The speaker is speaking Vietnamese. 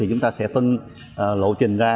chúng ta sẽ phân lộ trình ra